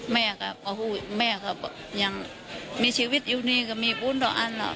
แม่ก็พอพูดแม่ก็ยังมีชีวิตอยู่นี่ก็มีบุญต่ออันล่ะ